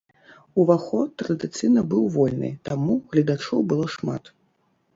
Уваход традыцыйна быў вольны, таму гледачоў было шмат.